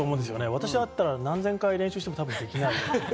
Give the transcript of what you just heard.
私だったら何千回練習しても多分できない。